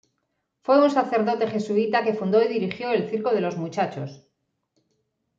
Fue un sacerdote jesuíta que fundó y dirigió el Circo de los Muchachos.